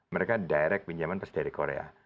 mereka direct pinjaman pas dari korea